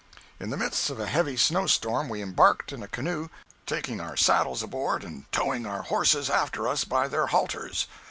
In the midst of a heavy snow storm we embarked in a canoe, taking our saddles aboard and towing our horses after us by their halters.